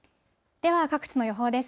では、各地の予報です。